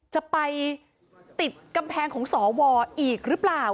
จะไปติดกำแพงของสวอีกหรือเปล่า